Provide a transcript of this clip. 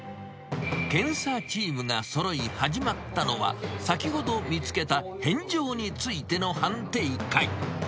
検査チームがそろい、始まったのは先ほど見つけた天井についての判定会。